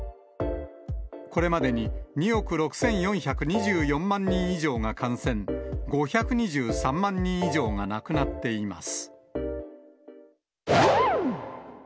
これまでに２億６４２４万人以上が感染、５２３万人以上が亡くなっています。